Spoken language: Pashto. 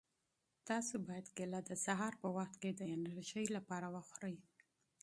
تاسو باید کیله د سهار په وخت کې د انرژۍ لپاره وخورئ.